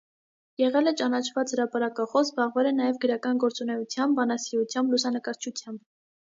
Եղել է ճանաչված հրապարակախոս, զբաղվել է նաև գրական գործունեությամբ, բանասիրությամբ, լուսանկարչությամբ։